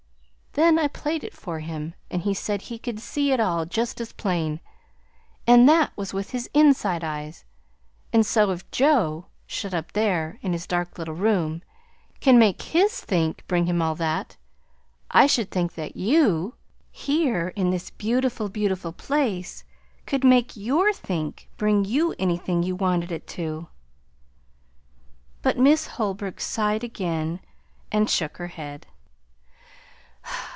Then I played it for him; and he said he could see it all just as plain! And THAT was with his inside eyes! And so, if Joe, shut up there in his dark little room, can make his THINK bring him all that, I should think that YOU, here in this beautiful, beautiful place, could make your think bring you anything you wanted it to." But Miss Holbrook sighed again and shook her head.